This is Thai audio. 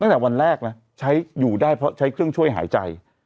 ตั้งแต่วันแรกนะใช้อยู่ได้เพราะใช้เครื่องช่วยหายใจ